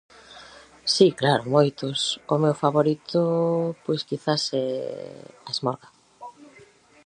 Si, claro, moitos, o meu favorito, pois quizás é A esmorga.